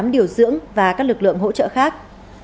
tám mươi tám điều dưỡng và các lực lượng hỗ trợ khác